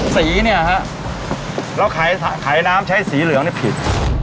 สีเนี่ยฮะเราขายน้ำใช้สีเหลืองเนี่ยผิด